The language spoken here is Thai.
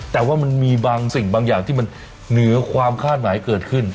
แต่ว่ามันมีบางสิ่งบางอย่างที่มันเหนือความคาดหมายเกิดขึ้น